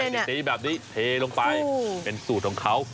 ไม่ใช่ตีแบบนี้เทลงไปเป็นสูตรของเขา